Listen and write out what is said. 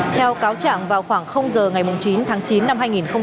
theo cáo trạng vào khoảng giờ ngày chín tháng chín năm hai nghìn hai mươi